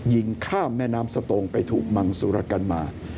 ยิงข้ามแม่น้ำสตงไปถูกมังสุรกันมา